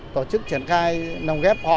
tổ chức triển khai nồng ghép họ